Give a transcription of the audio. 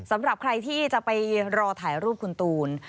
สำหรับใครที่จะไปรอถ่ายรูปคุณตูน